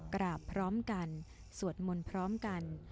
กราบพร้อมกันสวดมนต์พร้อมกัน